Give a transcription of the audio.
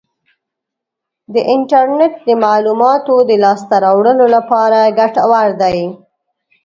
د انټرنیټ د معلوماتو د لاسته راوړلو لپاره ګټور دی.